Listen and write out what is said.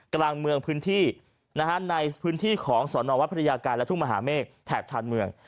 กลางเมืองพื้นที่ในพื้นที่ของสอนอวัดพระยากายและทุ่งมหาเมฆแถบชานเมือง